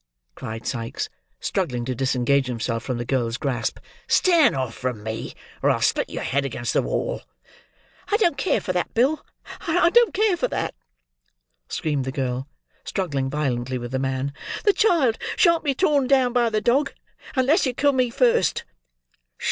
cried Sikes, struggling to disengage himself from the girl's grasp. "Stand off from me, or I'll split your head against the wall." "I don't care for that, Bill, I don't care for that," screamed the girl, struggling violently with the man, "the child shan't be torn down by the dog, unless you kill me first."